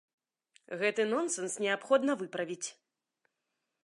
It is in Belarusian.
Гэты нонсэнс неабходна выправіць.